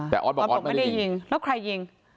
แต่ออสบอกออสไม่ได้ยิงแล้วใครยิง